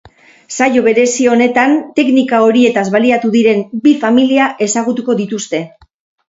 Saio berezi honetan teknika horietaz baliatu diren bi familia ezagutuko dituzte.